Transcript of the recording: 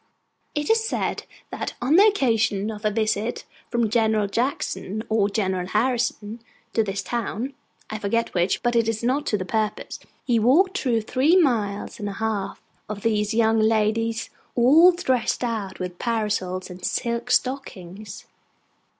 It is said that on the occasion of a visit from General Jackson or General Harrison to this town (I forget which, but it is not to the purpose), he walked through three miles and a half of these young ladies all dressed out with parasols and silk stockings.